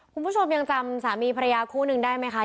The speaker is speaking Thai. คุณผู้ชมยังจำสามีภรรยาคู่นึงได้ไหมคะ